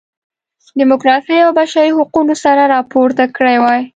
ډیموکراسۍ او بشري حقونو سر راپورته کړی وای.